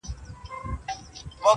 د ماشومتوب او د بنګړیو وطن!